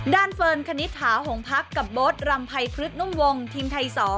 ด้านเฟิร์นคณิตถาวหงภักษ์กับโบ๊ทรำไพพรึกนุ่มวงทีมไทย๒